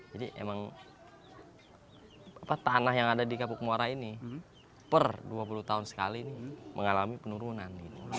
jadi emang tanah yang ada di kapuk muara ini per dua puluh tahun sekali mengalami penurunan